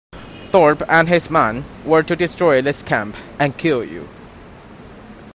Thorpe and his men were to destroy this camp, and kill you.